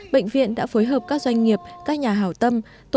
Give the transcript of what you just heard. bệnh viện đã phối hợp các doanh nghiệp các nhà hảo tâm